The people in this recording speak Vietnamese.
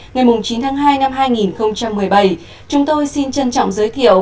ngày chín tháng hai năm hai nghìn một mươi bảy chúng tôi xin trân trọng giới thiệu